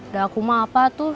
daku mah apa tuh